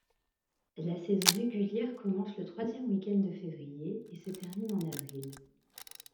La saison régulière commence le troisième week-end de février et se termine en avril.